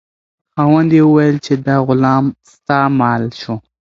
خاوند یې وویل چې دا غلام ستا مال شو.